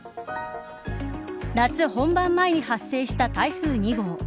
夏本番前に発生した台風２号。